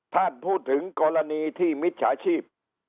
ท่านพูดถึงกรณีที่มิจฉาชีพ